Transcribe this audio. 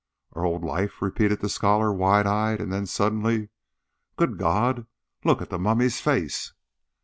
"Our old life!" repeated the scholar, wide eyed; and then suddenly, "Good God, look at the mummy's face!"